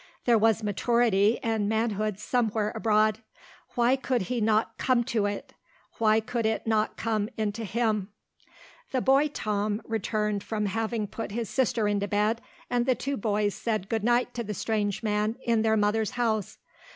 There was maturity and manhood somewhere abroad. Why could he not come to it? Why could it not come into him? The boy Tom returned from having put his sister into bed and the two boys said good night to the strange man in their mother's house.